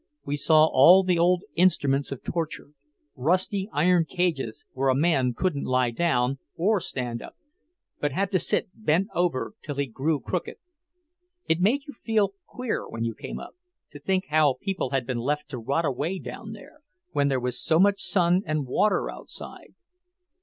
We saw all the old instruments of torture; rusty iron cages where a man couldn't lie down or stand up, but had to sit bent over till he grew crooked. It made you feel queer when you came up, to think how people had been left to rot away down there, when there was so much sun and water outside.